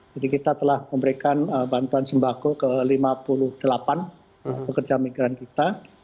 jadi kita telah memberikan bantuan sembako ke lima puluh delapan pekerja migran kita